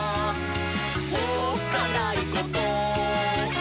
「おっかないこと？」